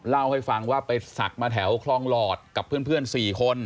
เล่าให้ฟังว่าไปศักดิ์มาแถวคลองหลอดกับเพื่อน๔คน